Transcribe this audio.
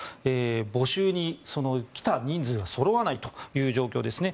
募集に来た人数がそろわないという状況ですね。